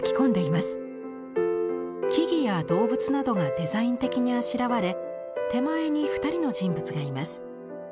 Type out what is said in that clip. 木々や動物などがデザイン的にあしらわれ手前に２人の人物がいます。